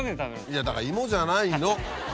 いやだから芋じゃないの！